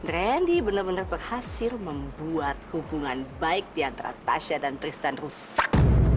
randy benar benar berhasil membuat hubungan baik di antara tasha dan tristan rusak